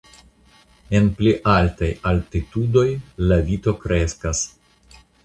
En pli altaj altitudoj la vito kreskas.